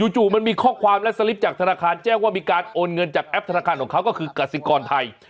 จู่มันมีข้อความและสลิปจากธนาคารแจ้งว่ามีการโอนเงินจากแอปธนาคารของเขาก็คือกสิกรไทย